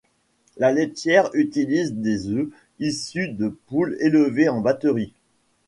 La Laitière utilise des œufs issus de poules élevées en batterie.